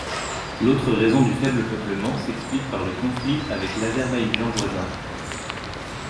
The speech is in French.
L'autre raison du faible peuplement s'explique par le conflit avec l'Azerbaïdjan voisin.